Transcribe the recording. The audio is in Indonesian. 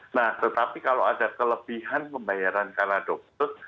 nah tetapi kalau ada kelebihan pembayaran karena dokter